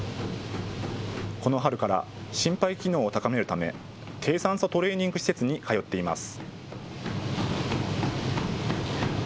この春から心肺機能を高めるため低酸素トレーニング施設に通っています。